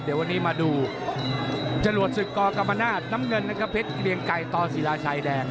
เดี๋ยววันนี้มาดูจรวดศึกกกรรมนาศน้ำเงินนะครับเพชรเกรียงไก่ต่อศิลาชัยแดง